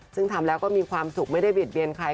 ซึ่งทำแล้วก็มีความสุขไม่ได้บิดเบียนใคร